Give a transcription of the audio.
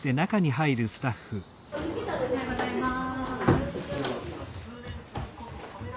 おはようございます。